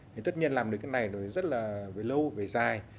thì tất nhiên làm được cái này nó rất là về lâu về dài